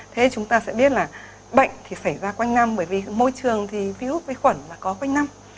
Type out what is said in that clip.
thế chúng ta sẽ biết là bệnh thì xảy ra quanh năm bởi vì môi trường thì virus vi khuẩn mà có quanh năm